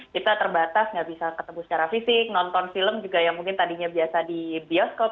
kita terbatas nggak bisa ketemu secara fisik nonton film juga yang mungkin tadinya biasa di bioskop